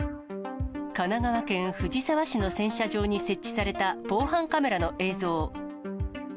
神奈川県藤沢市の洗車場に設置された防犯カメラの映像。